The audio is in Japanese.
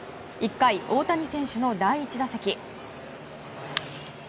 １回、大谷選手の第１打席。